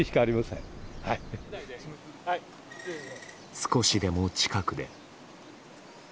少しでも近くで。